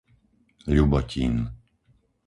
Ľubotín